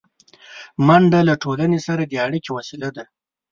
منډه له ټولنې سره د اړیکې وسیله ده